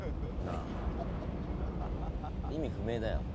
あ意味不明だよ